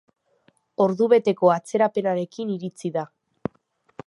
Ordubeteko atzerapenarekin iritsi da.